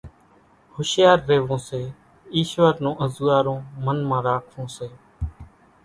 ھوشيار ريوون سي ايشور نون انزوئارون منَ مان راکوون سي